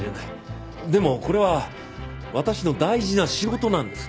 でもこれは私の大事な仕事なんです。